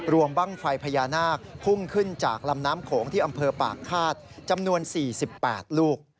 บ้างไฟพญานาคพุ่งขึ้นจากลำน้ำโขงที่อำเภอปากฆาตจำนวน๔๘ลูก